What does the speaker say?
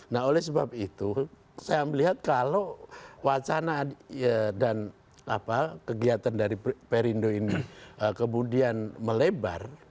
nah oleh sebab itu saya melihat kalau wacana dan kegiatan dari perindo ini kemudian melebar